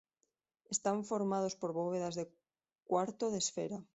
Están formados por bóvedas de cuarto de esfera.